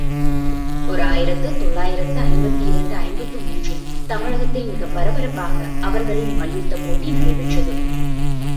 ஓர் ஆயிரத்து தொள்ளாயிரத்து ஐம்பத்திரண்டு ஐம்பத்து மூன்று ல் தமிழகத்தில் மிகப் பரபரப்பாக அவர்களின் மல்யுத்தப்போட்டி நடைபெற்றது.